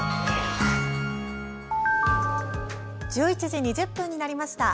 １１時２０分になりました。